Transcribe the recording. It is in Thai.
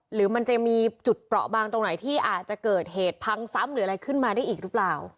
หรือมันจะมีจุดเปราะบางตรงไหนที่อาจจะเกิดเหตุพังซ้ำหรืออะไรขึ้นมาได้อีกหรือเปล่า